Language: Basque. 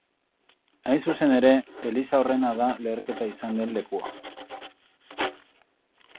Hain zuzen ere, eliza horrena da leherketa izan den lekua.